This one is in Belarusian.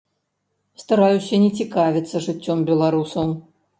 Стараюся не цікавіцца жыццём беларусаў.